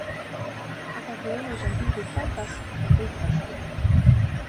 Aga kui elus on piirid paigas, on kõik hästi.